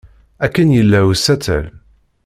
Akken yella usatal.